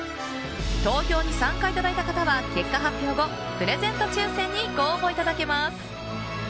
投票に参加いただいた方は結果発表後プレゼント抽選にご応募いただけます。